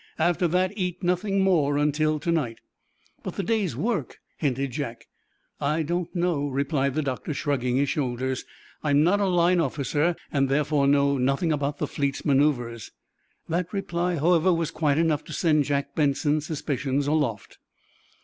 "After that, eat nothing more until to night." "But the day's work—?" hinted Jack. "I don't know," replied the doctor, shrugging his shoulders. "I'm not a line officer, and therefore know nothing about the fleet's manœuvres." That reply, however, was quite enough to send Jack Benson's suspicions aloft.